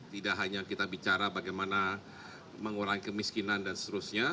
tidak hanya kita bicara bagaimana mengurangi kemiskinan dan seterusnya